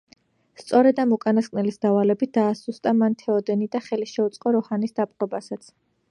სწორედ ამ უკანასკნელის დავალებით დაასუსტა მან თეოდენი და ხელი შეუწყო როჰანის დაპყრობასაც.